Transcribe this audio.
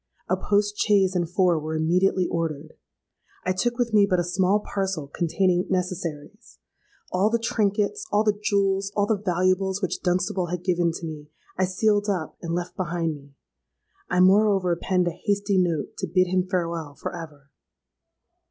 A post chaise and four were immediately ordered: I took with me but a small parcel containing necessaries;—all the trinkets, all the jewels, all the valuables which Dunstable had given to me, I sealed up and left behind me. I moreover penned a hasty note to bid him farewell for ever!